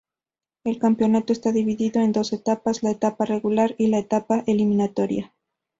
El campeonato está dividido en dos etapas, la etapa regular y la etapa eliminatoria.